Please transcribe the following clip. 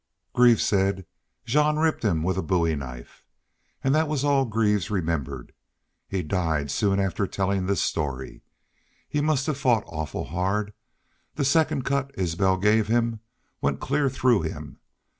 ... Greaves said Jean ripped him with a bowie knife.... An' thet was all Greaves remembered. He died soon after tellin' this story. He must hev fought awful hard. Thet second cut Isbel gave him went clear through him....